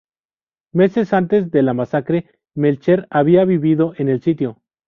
Meses antes de la masacre, Melcher había vivido en el sitio.